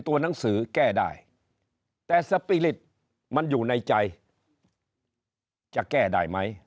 ตัวหนังสือแก้ได้แต่สปีริตมันอยู่ในใจจะแก้ได้ไหม